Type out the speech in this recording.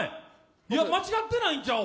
間違ってないんちゃう？